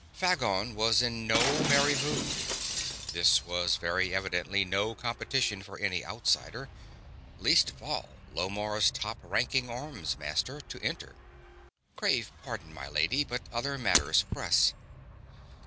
Phagon was in no merry mood; this was very evidently no competition for any outsider least of all Lomarr's top ranking armsmaster to enter. "Crave pardon, my lady, but other matters press...."